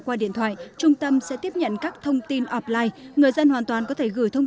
qua điện thoại trung tâm sẽ tiếp nhận các thông tin offline người dân hoàn toàn có thể gửi thông